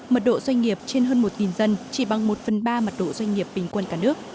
mật độ doanh nghiệp trên hơn một dân chỉ bằng một phần ba mật độ doanh nghiệp bình quân cả nước